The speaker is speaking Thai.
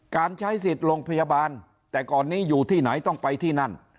การใช้สิทธิ์โรงพยาบาลแต่ก่อนนี้อยู่ที่ไหนต้องไปที่นั่น